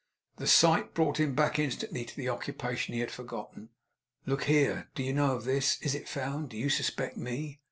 The sight brought him back, instantly, to the occupation he had forgotten. 'Look here! Do you know of this? Is it found? Do you suspect ME?